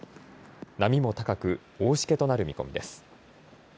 波も高く大しけとなる見込みです。